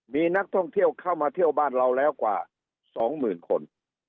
มีนักท่องเที่ยวเข้ามาเที่ยวบ้านเราแล้วกว่า๒๐๐๐คน